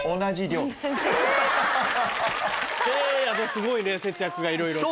すごいね節約がいろいろと。